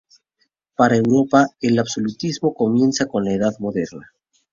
Para Europa el absolutismo comienza con la Edad Moderna.